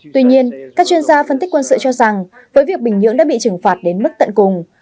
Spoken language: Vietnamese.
tuy nhiên các chuyên gia phân tích quân sự cho rằng với việc bình nhưỡng đã bị trừng phạt đến mức tận cùng